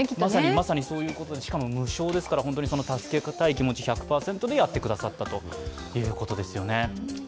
まさにそういうことで、しかも無償ですから助けたい気持ち１００％でやってくださったということですよね。